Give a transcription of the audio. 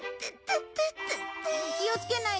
気をつけないと。